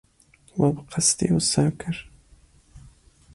We bi qesdî wisa kir?